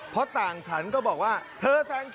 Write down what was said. เพราะต่างฉันก็บอกว่าเธอ